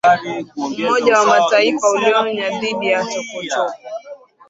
Umoja wa Mataifa ulionya dhidi ya chokochoko